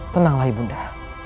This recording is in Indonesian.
tenanglah ibu nda